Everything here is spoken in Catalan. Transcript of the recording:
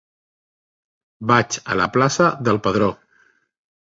Vaig a la plaça del Pedró.